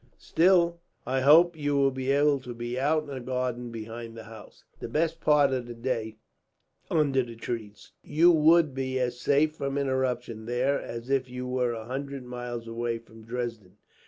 "Still, I hope you will be able to be out in the garden behind the house, the best part of the day, under the trees. You would be as safe from interruption, there, as if you were a hundred miles away from Dresden.